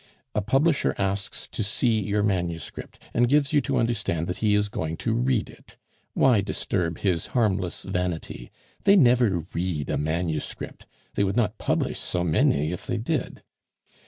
A publisher asks to see your manuscript, and gives you to understand that he is going to read it. Why disturb his harmless vanity? They never read a manuscript; they would not publish so many if they did.